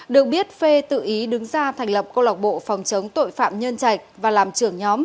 được biết phê tự ý đứng ra thành lập câu lạc bộ phòng chống tội phạm nhân trạch và làm trưởng nhóm